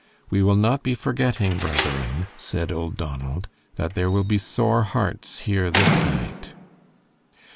We will not be forgetting, brethren," said old Donald, "that there will be sore hearts here this night.'